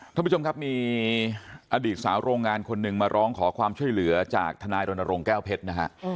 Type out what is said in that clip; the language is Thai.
ท่านผู้ชมครับมีอดีตสาวโรงงานคนหนึ่งมาร้องขอความช่วยเหลือจากทนายรณรงค์แก้วเพชรนะฮะ